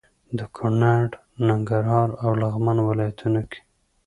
د کونړ، ننګرهار او لغمان ولايتونو کې